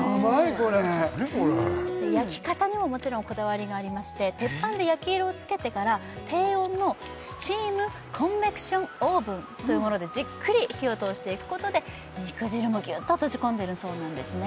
これ何これ焼き方にももちろんこだわりがありまして鉄板で焼き色をつけてから低温のスチームコンベクションオーブンというものでじっくり火を通していくことで肉汁もぎゅっと閉じ込んでるそうなんですね